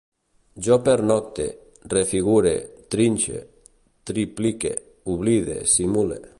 Jo pernocte, refigure, trinxe, triplique, oblide, simule